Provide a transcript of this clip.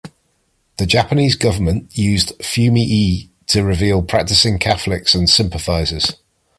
The Japanese government used "fumi-e" to reveal practicing Catholics and sympathizers.